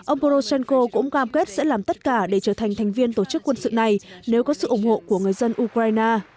ông poroshenko cũng cam kết sẽ làm tất cả để trở thành thành viên tổ chức quân sự này nếu có sự ủng hộ của người dân ukraine